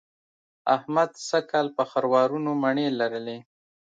احمد سږ کال په خروارونو مڼې لرلې.